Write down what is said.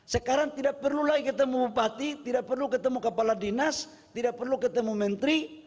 sekarang tidak perlu lagi ketemu bupati tidak perlu ketemu kepala dinas tidak perlu ketemu menteri